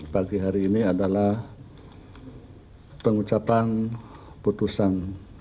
pagi hari ini adalah pengucapan putusan